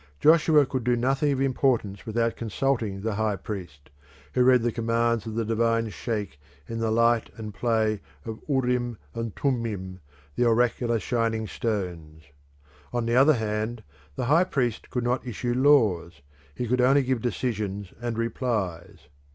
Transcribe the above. Joshua could do nothing of importance without consulting the high priest, who read the commands of the Divine Sheikh in the light and play of Urim and Thummim, the oracular shining stones. On the other hand, the high priest could not issue laws; he could only give decisions and replies.